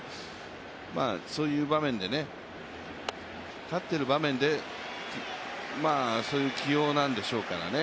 そういう場面、勝ってる場面でそういう起用なんでしょうからね。